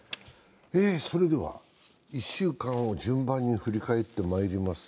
１週間を順番に振り返ってまいります。